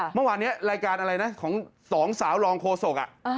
เมื่อวานนี้รายการอะไรนะของสองสาวรองโฆษก